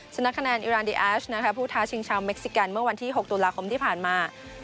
ชนะคะแนนอิรานดีแอชนะคะผู้ท้าชิงชาวเม็กซิกันเมื่อวันที่๖ตุลาคมที่ผ่านมา